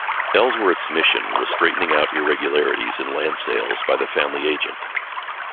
Ellsworth's mission was straightening out irregularities in land sales by the family agent.